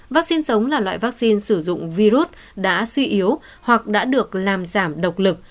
vắc xin sống là loại vắc xin sử dụng virus đã suy yếu hoặc đã được làm giảm độc lực